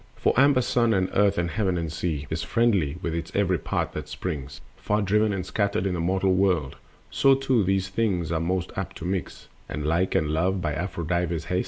For amber Sun and Earth and Heaven and Sea Is friendly with its every part that springs, Far driven and scattered, in the mortal world; So too those things that are most apt to mix Are like, and love by Aphrodite's hest.